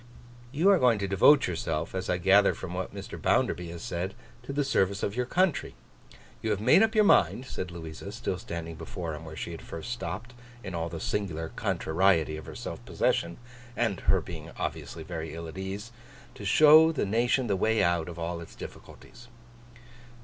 'You are going to devote yourself, as I gather from what Mr. Bounderby has said, to the service of your country. You have made up your mind,' said Louisa, still standing before him where she had first stopped—in all the singular contrariety of her self possession, and her being obviously very ill at ease—'to show the nation the way out of all its difficulties.